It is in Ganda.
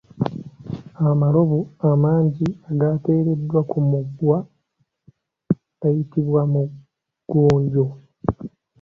Amalobo amangi agateereddwa ku mugwa gayitibwa Mugonjo.